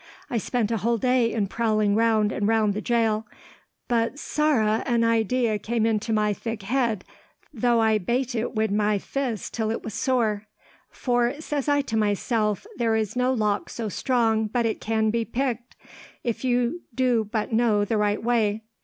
I spent a whole day in prowling round and round the jail, but sorra an idea came into my thick head, though I bate it wid my fists till it was sore; for, says I to myself, there is no lock so strong but it can be picked, if you do but know the right way.